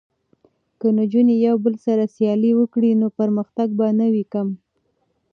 که نجونې یو بل سره سیالي وکړي نو پرمختګ به نه وي کم.